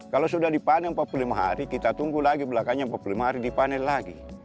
kalau sudah dipanen empat puluh lima hari kita tunggu lagi belakangnya empat puluh lima hari dipanen lagi